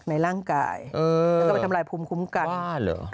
ในร่างกายแล้วก็ไปทำลายภูมิคุ้มกัน